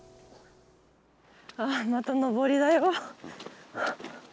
ああまた登りだよ。